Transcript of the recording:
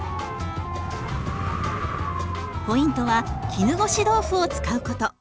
ポイントは絹ごし豆腐を使うこと。